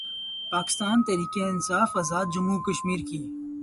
اکستان تحریک انصاف آزادجموں وکشمیر کی